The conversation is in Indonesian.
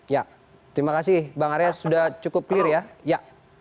ya terima kasih bang arya sudah cukup clear ya